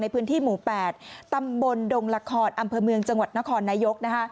พื้นที่หมู่๘ตำบลดงละครอำเภอเมืองจังหวัดนครนายก